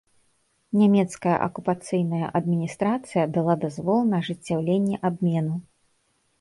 Нямецкая акупацыйная адміністрацыя дала дазвол на ажыццяўленне абмену.